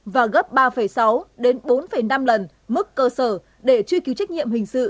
và gấp ba sáu đến bốn năm lần mức cơ sở để truy cứu trách nhiệm hình sự